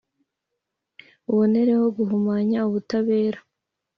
ubonereho guhumanya ubutabera,